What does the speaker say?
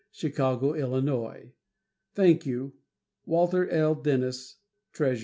Chicago, Illinois. Thank you Walter L. Dennis, Treas.